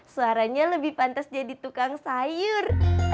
suaranya lebih pantas jadi tukang sayur